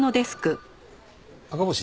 赤星